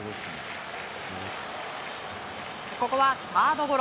ここはサードゴロ。